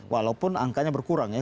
walaupun angkanya berkurang ya